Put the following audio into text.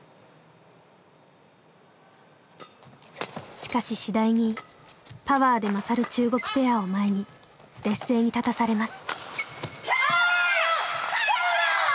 しかし次第にパワーで勝る中国ペアを前に劣勢に立たされます。